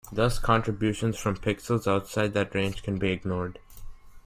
Thus contributions from pixels outside that range can be ignored.